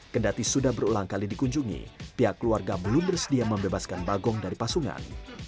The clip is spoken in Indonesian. kendati sudah berulang kali dikunjungi pihak keluarga belum bersedia membebaskan bagong dari pasungan